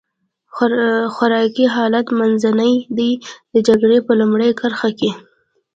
خوراکي حالت منځنی دی، د جګړې په لومړۍ کرښه کې.